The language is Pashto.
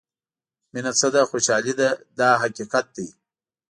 مینه څه ده خوشالۍ ده دا حقیقت دی.